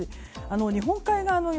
日本海側の雪